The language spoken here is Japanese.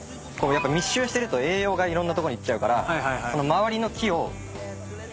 密集してると栄養がいろんなとこにいっちゃうからその周りの木を取って。